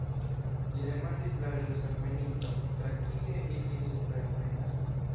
Li demandis la ĵus alveninton: "Tra kie ili suprenvenas?"